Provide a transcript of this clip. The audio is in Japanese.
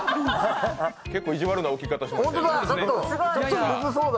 結構意地悪な置き方しますね。